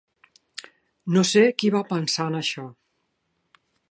No sé qui va pensar en això.